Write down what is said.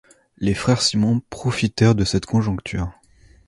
Les frères Simon profitèrent de cette conjoncture.